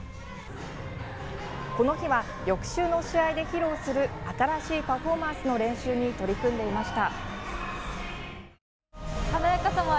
この日は、翌週の試合で披露する新しいパフォーマンスの練習に取り組んでいました。